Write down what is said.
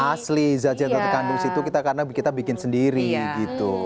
asli zat zat yang terkandung situ kita karena kita bikin sendiri gitu